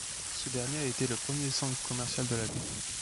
Ce dernier a été le premier centre commercial de la ville.